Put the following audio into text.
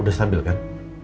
udah stabil kan